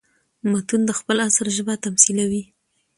متون د خپل عصر ژبه تميثلوي.